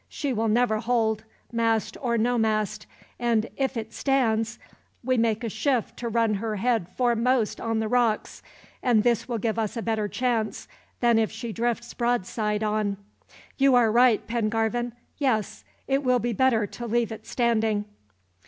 "She will never hold, mast or no mast; and if it stands, we make a shift to run her head foremost on the rocks, and this will give us a better chance than if she drifts broadside on." "You are right, Pengarvan. Yes, it will be better to leave it standing."